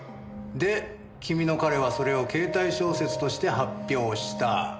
で君の彼はそれをケータイ小説として発表した。